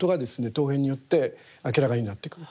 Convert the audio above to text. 陶片によって明らかになってくると。